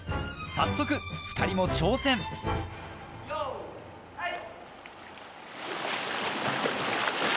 早速２人も挑戦よいはい！